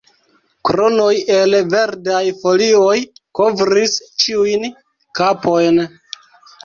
Kronoj el verdaj folioj kovris ĉiujn kapojn.